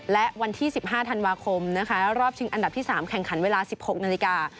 และวันที่๑๕ธันวาคมนะคะรอบชิงอันดับที่๓แข่งขันเวลา๑๖นาฬิกา